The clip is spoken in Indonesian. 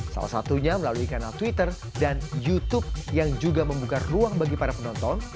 salah satunya melalui kanal twitter dan youtube yang juga membuka ruang bagi para penonton